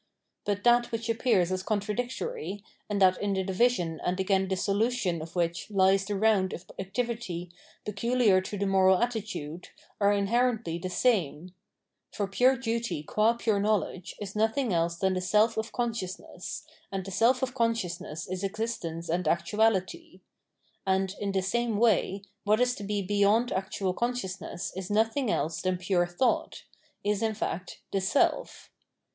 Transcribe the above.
But that which appears as contra dictory, and that in the division and again dissolution of w^Mch lies the round of activity peculiar to the moral attitude, are inherently the same : for pure duty qua pure knowledge is nothing else than the self of consciousness, and the self of consciousness is existence and actuality ; and, in the same way, what is to be beyond actual consciousness is nothing else than pure thought, is, in fact, the self.